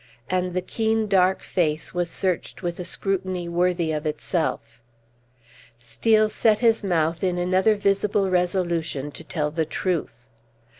And the keen, dark face was searched with a scrutiny worthy of itself. Steel set his mouth in another visible resolution to tell the truth.